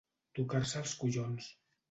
Tocar-se els collons.